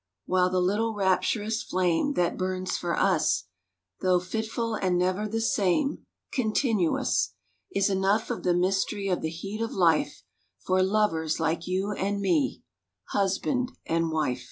While the little rapturous flame That burns for us, Though fitful and never the same, Continuous, Is enough of the mystery Of the heat of life For lovers like you and me, Husband and wife.